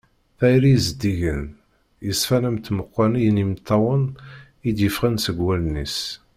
Tayri zeddigen, yeṣfan am tmeqwa-nni n yimeṭṭawen i d-yeffɣen seg wallen-is.